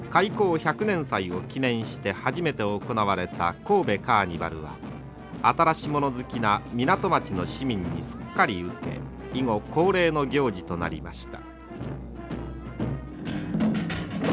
１００年祭を記念して初めて行われた神戸カーニバルは新し物好きな港町の市民にすっかり受け以後恒例の行事となりました。